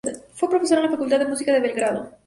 Fue profesora en la Facultad de Música de Belgrado.